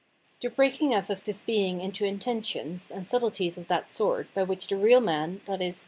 The breaking up of this being into intentions, and subtleties of that sort, by which the real man, i.e.